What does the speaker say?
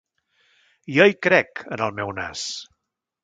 Jo hi crec, en el meu nas.